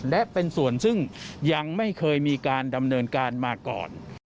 และเป็นส่วนซึ่งยังไม่เคยมีการดำเนินการมาก่อน